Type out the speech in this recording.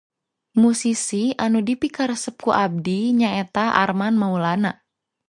Musisi anu dipikaresep ku abdi nyaeta Arman Maulana.